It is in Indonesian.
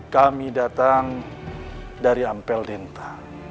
kami datang dari ampel denta